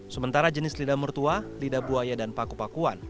sementara jenis lidah mertua lidah buaya dan paku pakuan